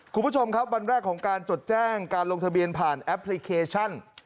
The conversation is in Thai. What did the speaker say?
คุณผู้ชมครับวันแรกของการจดแจ้งการลงทะเบียนผ่านแอปพลิเคชัน